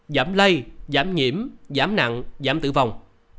giảm lây giảm nhiễm giảm nặng giảm tử vong